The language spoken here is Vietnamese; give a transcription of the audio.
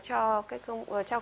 cho các công nghiệp này